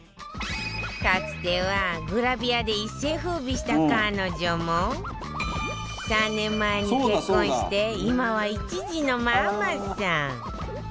かつてはグラビアで一世風靡した彼女も３年前に結婚して今は１児のママさん